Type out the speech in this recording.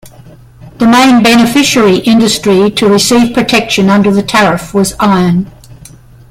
The main beneficiary industry to receive protection under the tariff was iron.